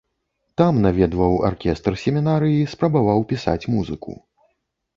Там наведваў аркестр семінарыі, спрабаваў пісаць музыку.